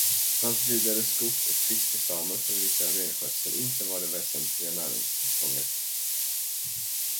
Det fanns vidare skogs- och fiskesamer för vilka renskötseln inte var det väsentliga näringsfånget.